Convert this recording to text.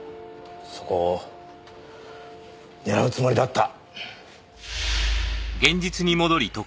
そこを狙うつもりだった。